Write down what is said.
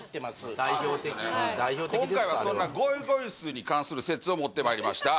あれは今回はそんな「ごいごいすー」に関する説を持ってまいりました